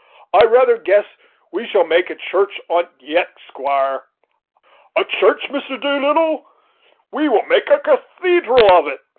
"I rather guess we shall make a church on't yet, squire?" "A church, Mr. Doolittle! we will make a cathedral of it!